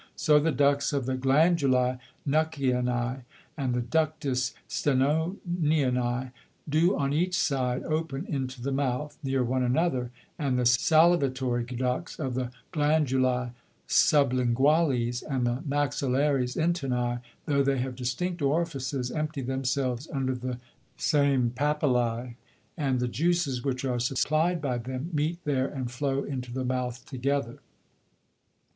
So the Ducts of the Glandulæ Nuckianæ, and the Ductus Stenoniani, do on each side open into the Mouth, near one another; and the salivatory Ducts of the Glandulæ Sublinguales, and the Maxillares internæ, though they have distinct Orifices, empty themselves under the same Papillæ, and the Juices, which are supply'd by them, meet there, and flow into the Mouth together.